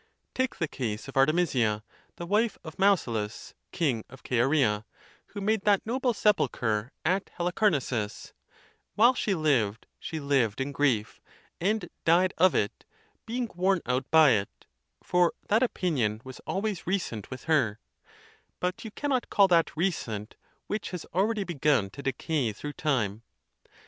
Take the case of Artemisia, the wife of Mausolus, King of Caria, who made that noble sepulchre at Halicar nassus ; while she lived, she lived in grief, and died of it, being worn out by it, for that opinion was always recent with her: but you cannot call that recent which has al ready begun to decay through time.